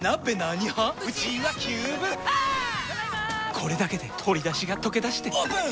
これだけで鶏だしがとけだしてオープン！